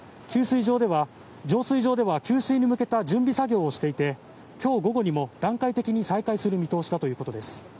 浄水場では給水に向けた準備作業をしていて今日午後にも段階的に再開する見通しだということです。